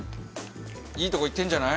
いいとこいってるんじゃない？